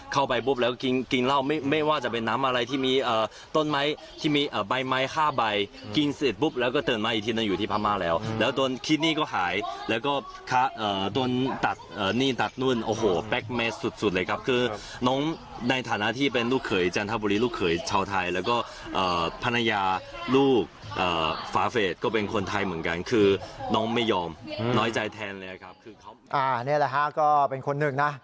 เข้าไปปุ๊บแล้วกินเหล้าไม่ว่าจะเป็นน้ำอะไรที่มีต้นไม้ที่มีใบ๕ใบกินเสร็จปุ๊บแล้วก็เตินมาอีกทีนั้นอยู่ที่พม่าแล้วแล้วต้นคิดนี่ก็หายแล้วก็ค่ะต้นตัดนี่ตัดนู่นโอ้โหแป๊กเมสสุดเลยครับคือน้องในฐานะที่เป็นลูกเขยจันทบุรีลูกเขยชาวไทยแล้วก็ภรรยาลูกฝาเฟสก็เป็นคนไทยเหมือนกันคือน้